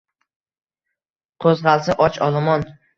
Qo’zg’alsa och olomon.